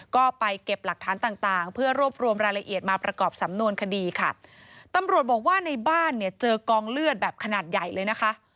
ก็ไปเก็บหลักฐานต่างต่างเพื่อรวบรวมรายละเอียดมาประกอบสำนวนคดีค่ะตำรวจบอกว่าในบ้านเนี่ยเจอกองเลือดแบบขนาดใหญ่เลยนะคะ